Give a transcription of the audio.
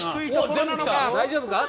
大丈夫か？